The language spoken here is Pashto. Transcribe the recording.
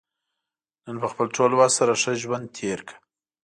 نن په خپل ټول وس سره ښه ژوند تېر کړه.